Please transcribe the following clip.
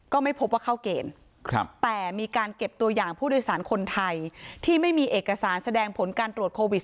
ก็ไม่พบว่าเข้าเกณฑ์แต่มีการเก็บตัวอย่างผู้โดยสารคนไทยที่ไม่มีเอกสารแสดงผลการตรวจโควิด๑